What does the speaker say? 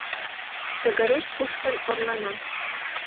Шыгыреш кушкын орлана.